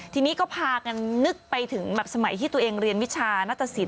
ทีนี้ก็พากันนึกไปถึงแบบสมัยที่ตัวเองเรียนวิชานัตตสิน